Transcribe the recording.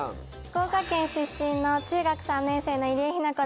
福岡県出身の中学３年生の入江日奈子です。